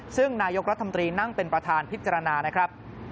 ซึ่งนายกรัฐมนตรีนั่งเป็นประธานพิจารณานะครับ